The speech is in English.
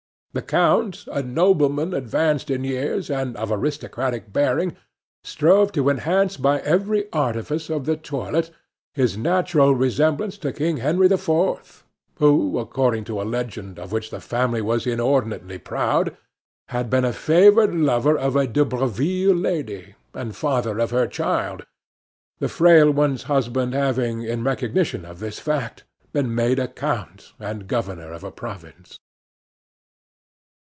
The count, a nobleman advanced in years and of aristocratic bearing, strove to enhance by every artifice of the toilet, his natural resemblance to King Henry IV, who, according to a legend of which the family were inordinately proud, had been the favored lover of a De Breville lady, and father of her child the frail one's husband having, in recognition of this fact, been made a count and governor of a province.